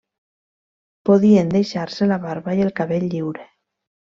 Podien deixar-se la barba i el cabell lliure.